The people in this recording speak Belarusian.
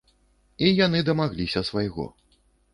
І яны дамагліся свайго.